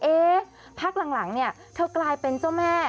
เอ๊ะพรรคหลังนี่เธอกลายเป็นเจ้าแม่